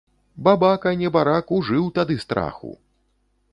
Бабака, небарак, ужыў тады страху!